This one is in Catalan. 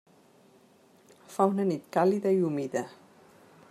Fa una nit càlida i humida.